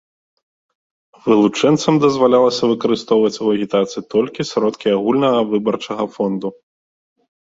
Вылучэнцам дазвалялася выкарыстоўваць у агітацыі толькі сродкі агульнага выбарчага фонду.